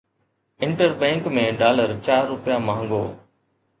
inter bank ۾ dollar چار رپيا مهانگو